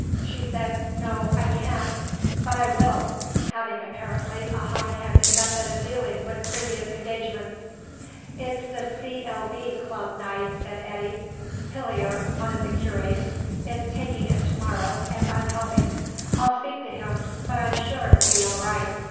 She said, "No, I can't; but I will," having apparently a high handed method of dealing with previous engagements. "It's the C.L.B. club night," said Eddy. "Hillier one of the curates is taking it to morrow, and I'm helping. I'll speak to him, but I'm sure it will be all right.